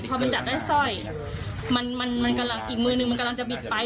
พอมันจับได้สร้อยมันมันกำลังอีกมือหนึ่งมันกำลังจะบิดไป